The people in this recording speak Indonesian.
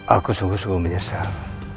aku sungguh sungguh menyesal